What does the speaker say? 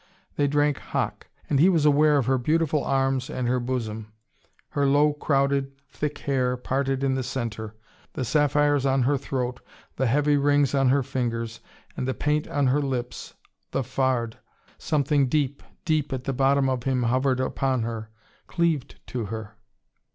They drank hock. And he was aware of her beautiful arms, and her bosom; her low crowded, thick hair, parted in the centre: the sapphires on her throat, the heavy rings on her fingers: and the paint on her lips, the fard. Something deep, deep at the bottom of him hovered upon her, cleaved to her.